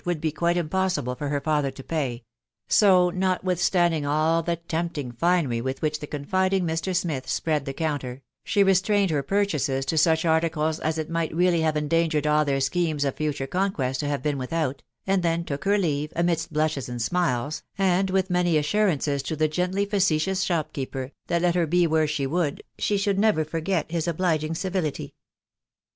wssjS&>* quite impossible for her father to pay •, *o, t^oX.^^^*1^^ o 3 i 38 TBB WIDOW BARNABT. the tempting finery with which the confiding Mr. Smith spread the counter, the restrained her purchases to such ar ticles as it might really have endangered all their schemes of future conquest to have been without, and then took her leave, amidst blushes and Bmiles, and with many assurances to the gently facetious shopkeeper, that let her be where she would, she should never forget his obliging civility.